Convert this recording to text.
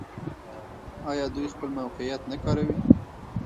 آیا دوی خپل موقعیت نه کاروي؟